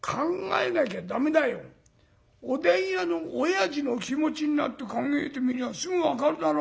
おでん屋のおやじの気持ちになって考えてみりゃすぐ分かるだろ。